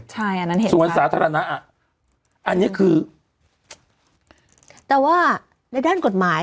ใช่อันนั้นเห็นสวนสาธารณะอ่ะอันนี้คือแต่ว่าในด้านกฎหมาย